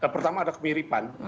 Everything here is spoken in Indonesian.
pertama ada kemiripan